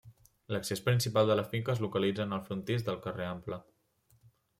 L'accés principal de la finca es localitza en el frontis del Carrer Ample.